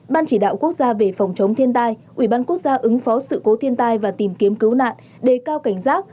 ban chỉ đạo quốc gia về phòng chống thiên tai ủy ban quốc gia ứng phó sự cố thiên tai và tìm kiếm cứu nạn đề cao cảnh giác